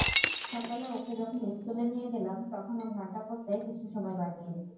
সকালে ওকে যখন স্কুলে নিয়ে গেলাম, তখনো ঘণ্টা পড়তে কিছু সময় বাকি।